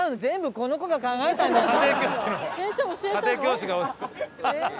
全部この子が考えたんですよ！